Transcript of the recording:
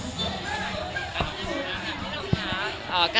ครั้งมากครับ